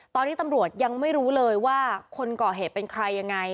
ตอนนี้ตำรวจยังไม่รู้เลยว่าคนก่อเหตุเป็นใครยังไง